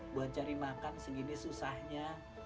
buat cari makan segini susahnya